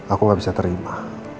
aku gak bisa terima